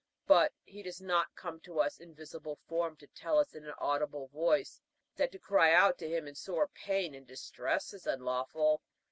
But he does not come to us in visible form to tell us in an audible voice that to cry out to him in sore pain and distress is unlawful.